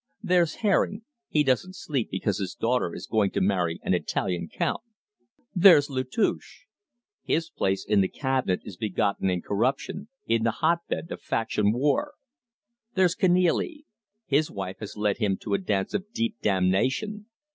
There's Herring. He doesn't sleep because his daughter is going to marry an Italian count. There's Latouche. His place in the cabinet is begotten in corruption, in the hotbed of faction war. There's Kenealy. His wife has led him a dance of deep damnation.